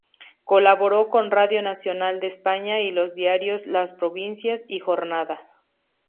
Colaboró con Radio Nacional de España y los diarios "Las Provincias" y "Jornada".